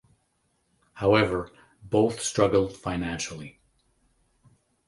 However, both struggled financially.